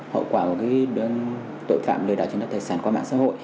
hậu quả của tội phạm lừa đảo chống đoát tài sản qua mạng xã hội